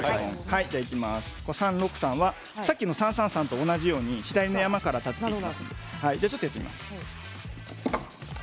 さっきの３−３−３と同じように左の山から立てていきますよ。